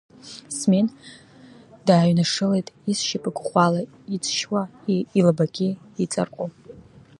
Смен дааҩнашылеит, изшьапык ӷәӷәала иҵшьуа, илабагьы иҵаргәо.